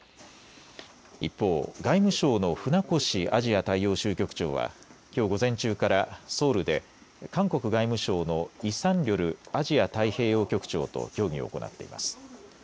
一方、外務省の船越アジア大洋州局長はきょう午前中からソウルで韓国外務省のイ・サンリョルアジア太平洋局長と協議を行っています。